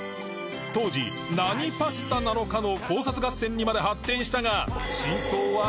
当時何パスタなのかの考察合戦にまで発展したが